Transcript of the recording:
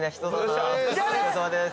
お疲れさまです